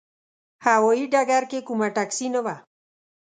هوايي ډګر کې کومه ټکسي نه وه.